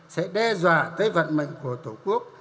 sẽ đe dọa tới vận mệnh của tổ quốc